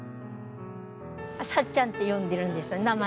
さっちゃんって呼んでるんです名前で。